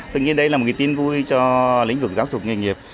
tuy nhiên đây là một cái tin vui cho lĩnh vực giáo dục nghề nghiệp